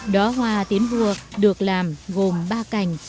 đóa hoa tiến vua được làm gồm ba cành